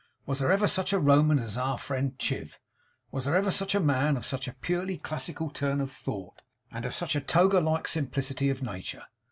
Was there ever such a Roman as our friend Chiv? Was there ever a man of such a purely classical turn of thought, and of such a toga like simplicity of nature?